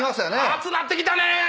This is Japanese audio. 暑なってきたねぇ！